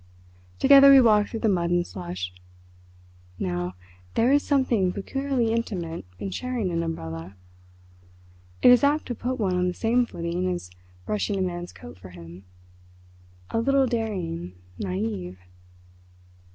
Together we walked through the mud and slush. Now, there is something peculiarly intimate in sharing an umbrella. It is apt to put one on the same footing as brushing a man's coat for him—a little daring, naïve.